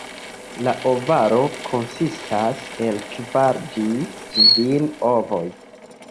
La ovaro konsistas el kvar ĝis kvin ovoj.